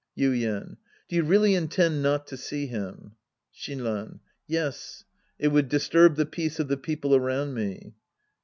Yuien. Do you really intend not to see him ? Shinran. Yes. It would disturb the peace of the people around me.